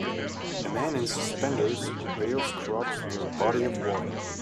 A man in suspenders bales crops near a body of water.